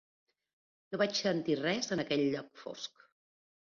No vaig sentir res en aquell lloc fosc.